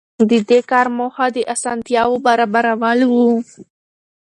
د دې کار موخه د اسانتیاوو برابرول وو.